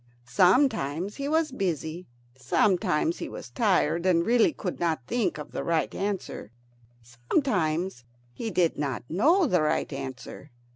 Sometimes he was busy; sometimes he was tired, and really could not think of the right answer; sometimes he did not know the right answer.